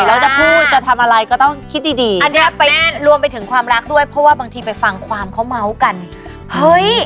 แล้วจะพูดจะทำอะไรก็ต้องคิดดีดีอันเนี้ยเป็นรวมไปถึงความรักด้วยเพราะว่าบางทีไปฟังความเขาเมาส์กันเฮ้ย